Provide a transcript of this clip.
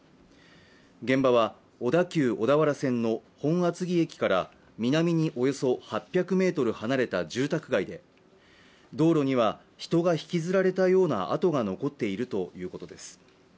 現場は、小田急小田原線の本厚木駅から南におよそ８００ｍ離れた住宅街で道路には、人が引き摺られたような跡が残っているということです。